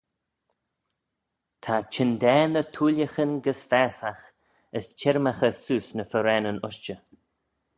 Ta chyndaa ny thooillaghyn gys faasagh as chyrmaghey seose ny farraneyn-ushtey.